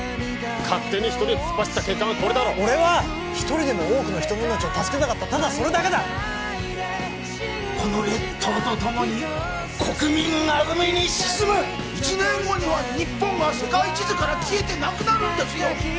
勝手に１人で突っ走った結果がこれだろ俺は１人でも多くの人の命を助けたかったただそれだけだこの列島とともに国民が海に沈む１年後には日本が世界地図から消えてなくなるんですよ